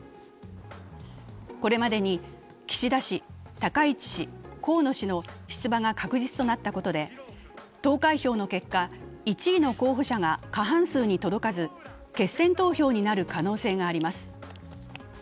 これまでに岸田氏、高市氏、河野氏の出馬が確実となったことで投開票の結果、１位の候補者が過半数に届かず決選投票になる可能性があります。